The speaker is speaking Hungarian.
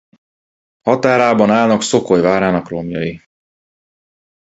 Határában állnak Szokoly várának romjai.